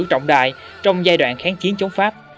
trọng đại trong giai đoạn kháng chiến chống pháp